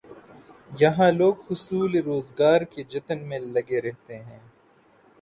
یہاں لوگ حصول روزگار کے جتن میں لگے رہتے ہیں۔